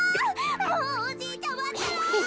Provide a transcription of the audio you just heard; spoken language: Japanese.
もうおじいちゃまったら！